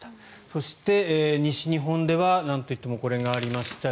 そして、西日本ではなんといってもこれがありました。